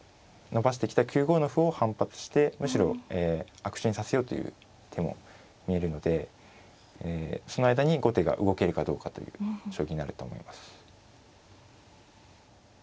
伸ばしてきた９五の歩を反発してむしろ悪手にさせようという手も見えるのでその間に後手が動けるかどうかという将棋になると思います。